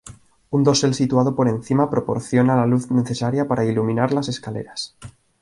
Un dosel situado por encima proporciona la luz necesaria para iluminar las escaleras.